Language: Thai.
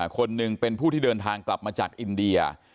คนหนึ่งเป็นผู้ที่เดินทางกลับมาจากอินเดีย